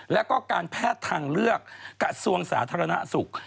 และการพาททางเลือกกับส่วนสาธารณนักสุข